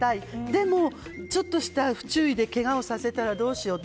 でも、ちょっとした不注意でけがをさせたらどうしよう。